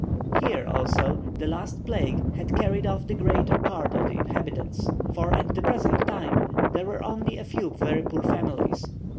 Here, also, the last plague had carried off the greater part of the inhabitants; for, at the present time, there were only a few very poor families.